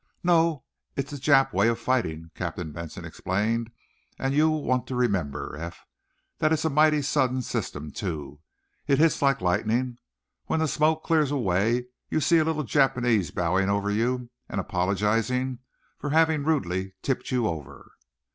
"No; it's the Jap way of fighting," Captain Benson explained. "And you want to remember, Eph, that's it's a mighty sudden system, too. It hits like lightning. When the smoke clears away you see a little Japanese bowing over you, and apologizing for having rudely tipped you over."